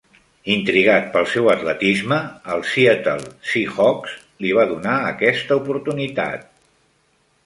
Intrigat pel seu atletisme, el Seattle Seahawks li va donar aquesta oportunitat.